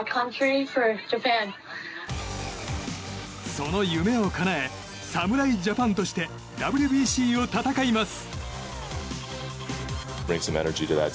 その夢をかなえ侍ジャパンとしてＷＢＣを戦います。